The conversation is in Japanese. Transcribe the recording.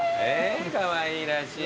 かわいらしい。